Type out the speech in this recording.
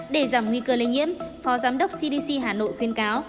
để giảm nguy cơ lây nhiễm phó giám đốc cdc hà nội khuyên cáo